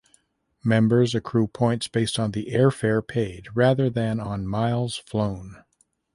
Members accrue points based on the airfare paid rather than on miles flown.